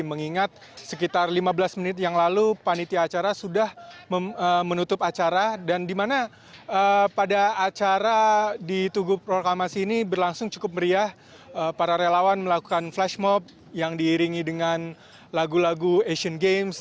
mengingat sekitar lima belas menit yang lalu panitia acara sudah menutup acara dan dimana pada acara di tugu proklamasi ini berlangsung cukup meriah para relawan melakukan flash mob yang diiringi dengan lagu lagu asian games